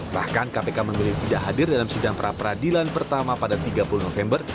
bahkan kpk memilih tidak hadir dalam sidang pra peradilan pertama pada tiga puluh november